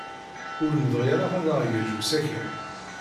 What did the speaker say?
Ur nebɣi ara ad aɣ-yeǧǧ usakal.